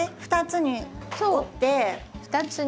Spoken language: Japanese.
２つに折って。